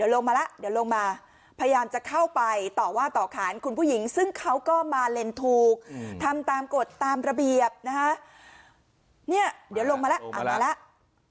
เล่นถูกอืมทำตามกฎตามระเบียบนะฮะเนี้ยเดี๋ยวลงมาแล้วลงมาแล้ว